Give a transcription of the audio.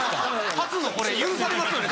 初のこれ許されますよね？